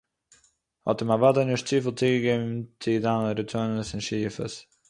האט אים אוודאי נישט צופיל צוגעגעבן צו זיינע רצונות און שאיפות